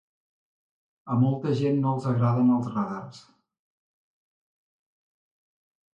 A molta gent no els agraden els radars.